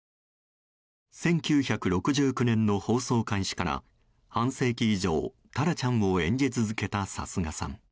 １９６９年の放送開始から半世紀以上タラちゃんを演じ続けた貴家さん。